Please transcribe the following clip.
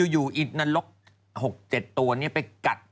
อยู่อีธนรก๖กับ๗ตัวเนี่ยไปกัด